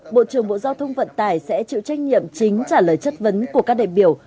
bộ trưởng bộ giao thông vận tải sẽ chịu trách nhiệm chính trả lời chất vấn của các đại biểu